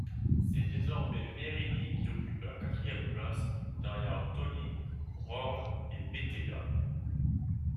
C'est désormais Verini qui occupe la quatrième place, derrière Tony, Röhrl et Bettega.